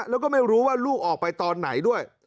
แล้วก็ไม่รู้ว่าลูกออกไปตอนไหนด้วย